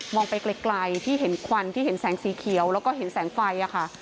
ไปไกลที่เห็นควันที่เห็นแสงสีเขียวแล้วก็เห็นแสงไฟค่ะ